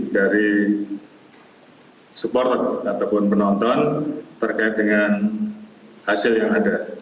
dari supporter ataupun penonton terkait dengan hasil yang ada